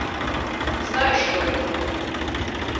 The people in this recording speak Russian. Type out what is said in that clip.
Знаю что это.